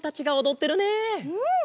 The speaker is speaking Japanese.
うん！